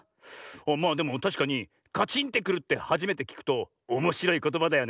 まあでもたしかにカチンってくるってはじめてきくとおもしろいことばだよねえ。